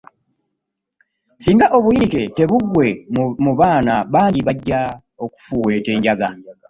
Singa obuyinike tebuggwe mu baana bangi bajja okufuuweta enjaga.